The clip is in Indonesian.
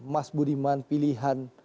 mas budiman pilihan